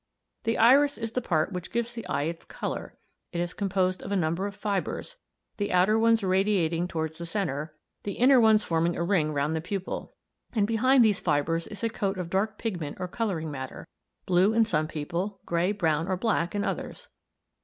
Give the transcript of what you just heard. The iris is the part which gives the eye its colour; it is composed of a number of fibres, the outer ones radiating towards the centre, the inner ones forming a ring round the pupil; and behind these fibres is a coat of dark pigment or colouring matter, blue in some people, grey, brown, or black in others.